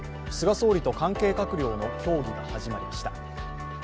総理と関係閣僚の協議が始まりました。